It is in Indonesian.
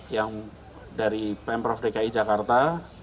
yang dari pemprov dki jakarta